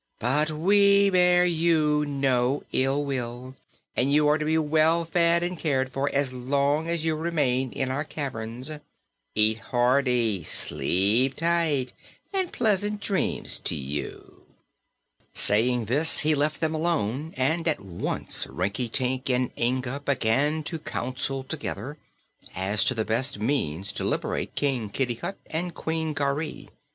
But we bear you no ill will, and you are to be well fed and cared for as long as you remain in our caverns. Eat hearty, sleep tight, and pleasant dreams to you." Saying this, he left them alone and at once Rinkitink and Inga began to counsel together as to the best means to liberate King Kitticut and Queen Garee.